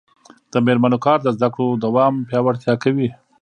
د میرمنو کار د زدکړو دوام پیاوړتیا کوي.